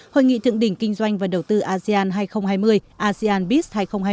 hội nghị thượng đỉnh kinh doanh và đầu tư asean hai nghìn hai mươi asean bis hai nghìn hai mươi